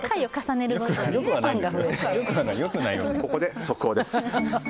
ここで速報です。